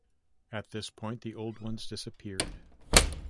At this point, the Old Ones disappeared.